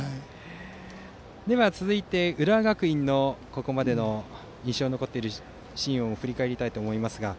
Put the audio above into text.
では、続いて浦和学院の、ここまでの印象に残っているシーンを振り返りたいと思います。